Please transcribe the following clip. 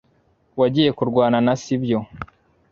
Wagiye kurwana na , sibyo?